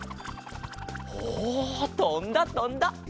おとんだとんだ！